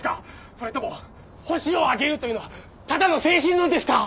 それともホシを挙げるというのはただの精神論ですか！？